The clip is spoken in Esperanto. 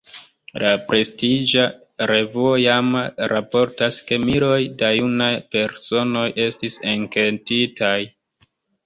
La prestiĝa revuo Jama raportas, ke miloj da junaj personoj estis enketitaj.